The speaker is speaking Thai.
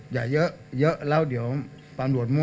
อย่าเยอะแล้วเดี๋ยวฟังด่วนมั่ว